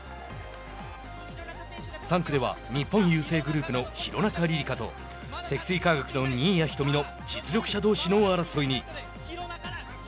３区では日本郵政グループの廣中璃梨佳と積水化学の新谷仁美の実力者どうしの争いに。